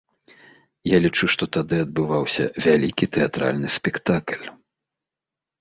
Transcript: Я лічу, што тады адбываўся вялікі тэатральны спектакль.